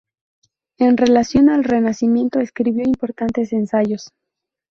En relación al Renacimiento escribió importantes ensayos.